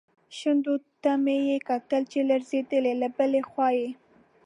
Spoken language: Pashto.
شونډو ته مې یې کتل چې لړزېدلې، له بلې خوا یې.